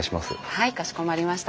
はいかしこまりました。